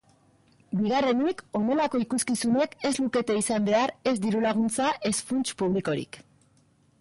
Bigarrenik, honelako ikuskizunek ez lukete izan behar ez diru-laguntza ez funts publikorik.